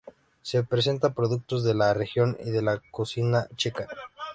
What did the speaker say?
Se presentan productos de la región y de la cocina checa.